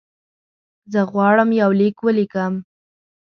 زه غواړم یو لیک ولیکم.